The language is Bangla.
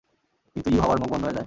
কিন্তু ইউহাওয়ার মুখ বন্ধ হয়ে যায়।